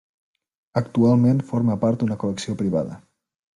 Actualment forma part d'una col·lecció privada.